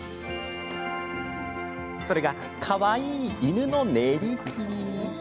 それが、かわいい犬の練り切り。